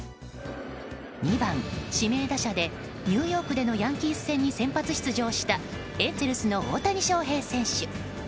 ２番指名打者でニューヨークでのヤンキース戦に先発出場したエンゼルスの大谷翔平選手。